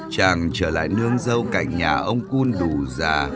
chàng trở lại nương dâu cạnh nhà ông cun đủ già